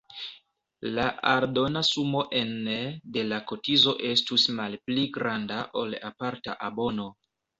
La aldona sumo ene de la kotizo estus malpli granda ol aparta abono.